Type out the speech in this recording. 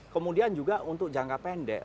kemudian juga untuk jangka pendek